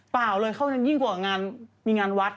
เปล่าเลยเข้ากันยิ่งกว่างานมีงานวัด